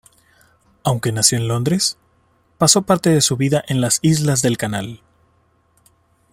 Aunque nació en Londres, pasó parte de su vida en las Islas del Canal.